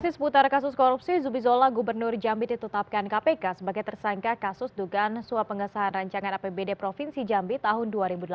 seputar kasus korupsi zubizola gubernur jambi ditetapkan kpk sebagai tersangka kasus dugaan suap pengesahan rancangan apbd provinsi jambi tahun dua ribu delapan belas